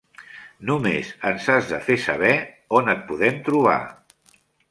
Només ens has de fer saber on et podem trobar.